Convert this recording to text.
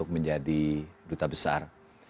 menjadi duta besar